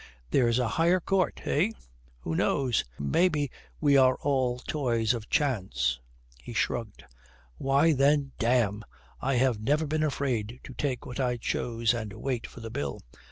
"There's a higher court, eh? Who knows? Maybe we are all the toys of chance." He shrugged. "Why then, damme, I have never been afraid to take what I chose and wait for the bill.